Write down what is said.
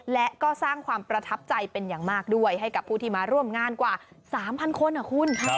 และก็สร้างความประทับใจเป็นอย่างมากด้วยให้กับผู้ที่มาร่วมงานกว่า๓๐๐คนนะคุณ